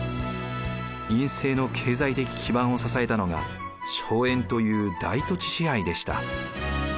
院政の経済的基盤を支えたのが荘園という大土地支配でした。